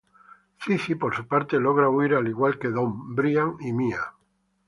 Zizi por su parte logra huir al igual que Dom, Brian y Mía.